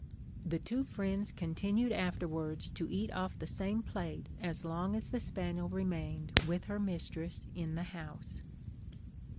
The two friends continued afterwards to eat off the same plate as long as the spaniel remained with her mistress in the house.